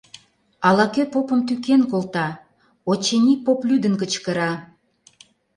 Ала-кӧ попым тӱкен колта, очыни, поп лӱдын кычкыра: